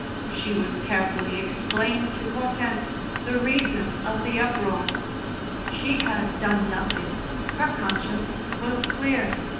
She would carefully explain to Hortense the reason of the uproar. She had done nothing her conscience was clear.